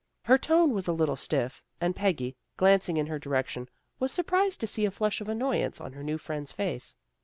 Her tone was a little stiff, and Peggy, glancing in her direction, was surprised to see a flush of annoy ance on her new friend's face.